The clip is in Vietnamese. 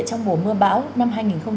trong mùa mưa bão năm hai nghìn một mươi chín